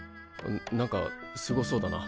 何かすごそうだな。